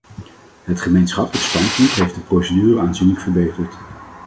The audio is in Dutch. Het gemeenschappelijk standpunt heeft de procedure aanzienlijk verbeterd.